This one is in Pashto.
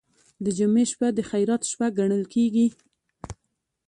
د جمعې شپه د خیرات شپه ګڼل کیږي.